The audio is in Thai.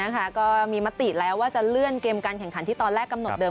ก็มีมติแล้วว่าจะเลื่อนเกมการแข่งขันที่ตอนแรกกำหนดเดิ